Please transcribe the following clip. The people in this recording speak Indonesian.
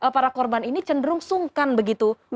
para korban ini cenderung